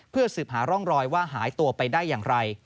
เพื่อสืบหาร่องรอยว่าหายตัวไปได้อย่างไร